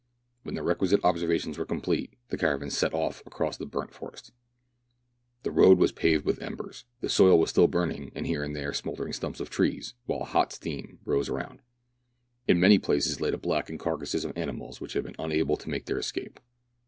When the requisite observations were complete, the caravan set off across the burnt forest The road was paved with embers. The soil was still burning, and here and there smouldered stumps of trees, while a hot steam rose around. In many places lay the blackened carcases of animals which had been unable to make their escape.